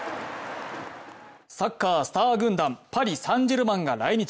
サッカー、スター軍団、パリ・サンジェルマンが来日。